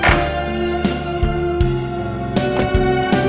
aku masih main